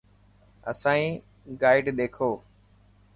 اسانئي گائڊ ڏيکو.